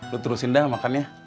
lo terusin dah makan ya